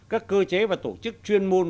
các cơ chế và tổ chức chuyên môn